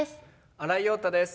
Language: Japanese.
新井庸太です。